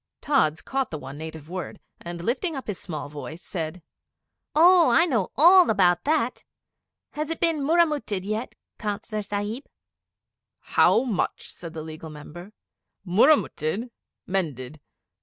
Tods caught the one native word, and lifting up his small voice said 'Oh, I know all about that! Has it been murramutted yet, Councillor Sahib?' 'How much?' said the Legal Member. 'Murramutted mended.